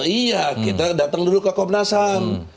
iya kita datang dulu ke komnas ham